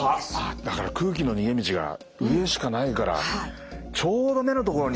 だから空気の逃げ道が上にしかないからちょうど目の所に。